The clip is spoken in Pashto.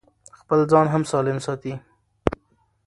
خپل ځان هم سالم ساتي.